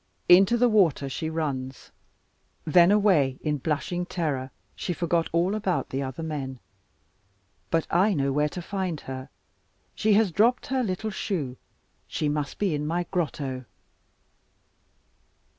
Into the water she runs, then away in blushing terror she forgot all about the other men. But I know where to find her, she has dropped her little shoe, she must be in my grotto.